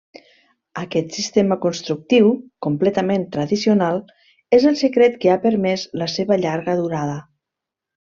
Aquest sistema constructiu, completament tradicional, és el secret que ha permès la seva llarga durada.